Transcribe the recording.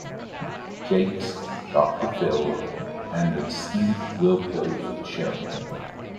Jakes", "Doctor Phil", and "The Steve Wilkos Show".